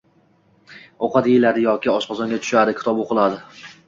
ovqat yeyiladi yoki oshqozonga tushadi, kitob o‘qiladi.